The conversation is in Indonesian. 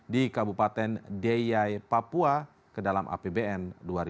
di kabupaten deyai papua ke dalam apbn dua ribu enam belas